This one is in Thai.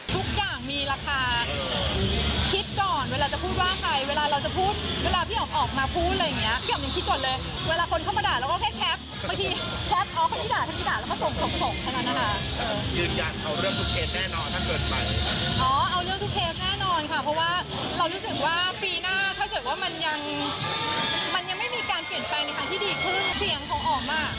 ถ้ามีการเปลี่ยนแฟนชิ้นในค่ะที่ดีขึ้นเสียงของออ๋อหม่ะ